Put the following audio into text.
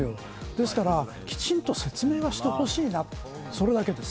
ですからきちんと説明はしてほしいなそれだけです。